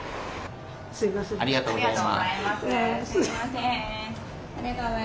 ありがとうございます。